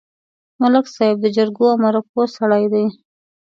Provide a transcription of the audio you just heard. ملک صاحب د جرګو او مرکو سړی دی.